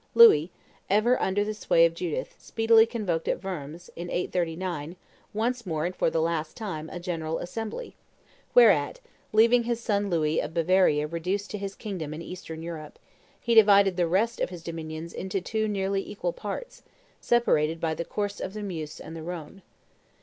Louis, ever under the sway of Judith, speedily convoked at Worms, in 839, once more and for the last time, a general assembly, whereat, leaving his son Louis of Bavaria reduced to his kingdom in Eastern Europe, he divided the rest of his dominions into two nearly equal parts, separated by the course of the Meuse and the Rhone.